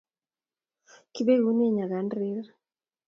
Kibegune nyakan rer